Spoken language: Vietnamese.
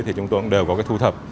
thì chúng tôi cũng đều có cái thu thập